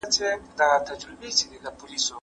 ¬ کږه ملا په قبر کي سمېږي.